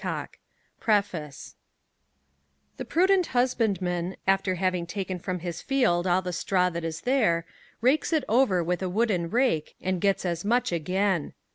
com/gutenberg PREFACE The prudent husbandman, after having taken from his field all the straw that is there, rakes it over with a wooden rake and gets as much again.